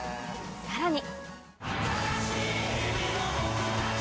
さらに。